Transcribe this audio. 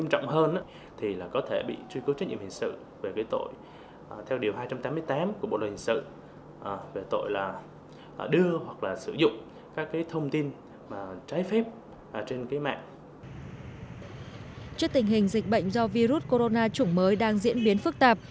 trước tình hình dịch bệnh do virus corona chủng mới đang diễn biến phức tạp